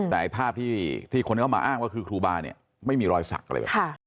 แต่ไอ้ภาพที่คนเข้ามาอ้างว่าคือครูบาเนี่ยไม่มีรอยสักอะไรแบบนี้